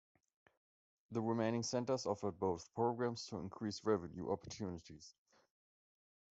The remaining centers offered both programs to increase revenue opportunities.